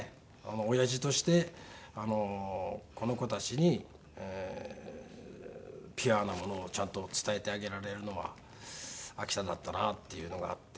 おやじとしてこの子たちにピュアなものをちゃんと伝えてあげられるのは秋田だったなっていうのがあって。